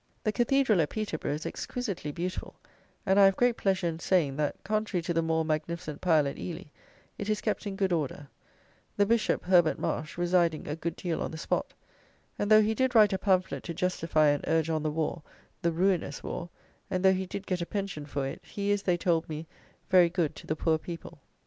The cathedral at Peterborough is exquisitely beautiful, and I have great pleasure in saying, that, contrary to the more magnificent pile at Ely, it is kept in good order; the Bishop (Herbert Marsh) residing a good deal on the spot; and though he did write a pamphlet to justify and urge on the war, the ruinous war, and though he did get a pension for it, he is, they told me, very good to the poor people.